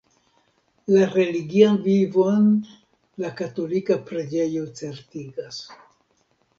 La religian vivon la katolika preĝejo certigas.